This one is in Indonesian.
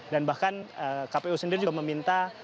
dan bahkan kpu sendiri juga meminta